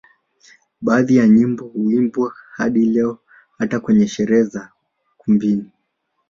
Baadhi ya nyimbo huimbwa hadi leo hata kwenye sherehe za ukumbini